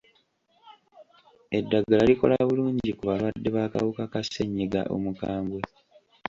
Eddagala likola bulungi ku balwadde b'akawuka ka ssenyiga omukambwe.